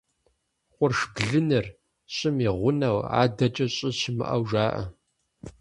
Къурш блыныр – щӀым и гъунэу, адэкӀэ щӀы щымыӀэу жаӀэ.